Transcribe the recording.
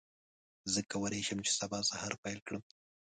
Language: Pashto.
زه کولی شم چې سبا سهار پیل کړم.